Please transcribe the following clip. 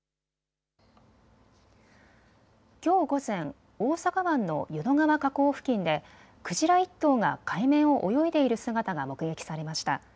きょう午前、大阪湾の淀川河口付近でクジラ１頭が海面を泳いでいる姿が目撃されました。